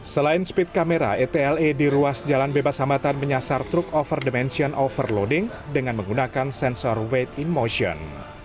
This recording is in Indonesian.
selain speed kamera etle di ruas jalan bebas hambatan menyasar truk overdimension overloading dengan menggunakan sensor wate in motion